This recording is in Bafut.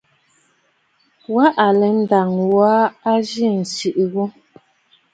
Wa alɛ nda ŋû aa a zi tsiʼì yù.